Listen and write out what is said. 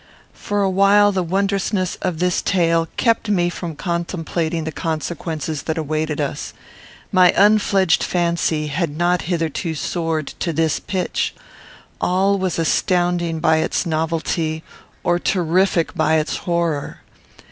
For a while the wondrousness of this tale kept me from contemplating the consequences that awaited us. My unfledged fancy had not hitherto soared to this pitch. All was astounding by its novelty, or terrific by its horror.